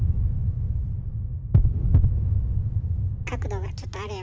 角度がちょっとあれよ。